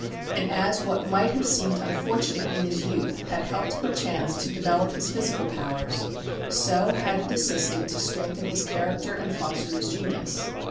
And as what might have seemed unfortunate in his youth had helped perchance to develop his physical powers, so had it assisted to strengthen his character and foster his genius.